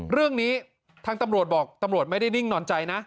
เรื่องนี้ทางตำรวจบอกตำรวจไม่ได้นิ่งนอนใจนะ